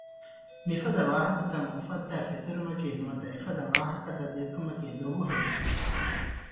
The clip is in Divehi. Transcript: މިފަދަ ވާހަކަތައް އުފައްދައި ފެތުރުމަކީ ނުވަތަ އެފަދަ ވާހަކަތައް ދެއްކުމަކީ ދޮގުހެދުން